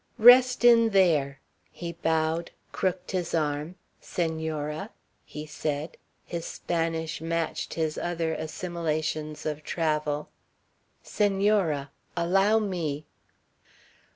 "Rest in there." He bowed, crooked his arm. "Señora," he said, his Spanish matched his other assimilations of travel "Señora. Allow me."